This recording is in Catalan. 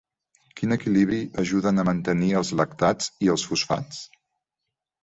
Quin equilibri ajuden a mantenir els lactats i els fosfats?